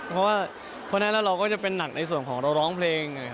เพราะว่าเพราะฉะนั้นเราก็จะเป็นหนักในส่วนของเราร้องเพลง